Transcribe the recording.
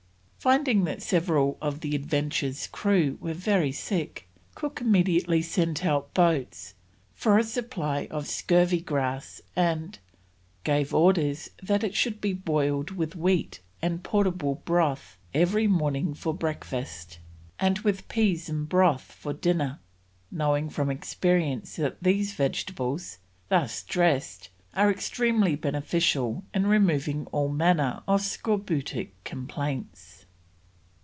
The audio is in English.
Finding that several of the Adventure's crew were very sick, Cook immediately sent out boats for a supply of scurvy grass, and: "gave orders that it should be boiled with wheat and portable broth every morning for breakfast, and with peas and broth for dinner, knowing from experience that these vegetables, thus dressed, are extremely beneficial in removing all manner of scorbutic complaints."